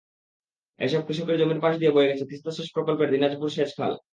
এসব কৃষকের জমির পাশ দিয়ে বয়ে গেছে তিস্তা সেচ প্রকল্পের দিনাজপুর সেচ খাল।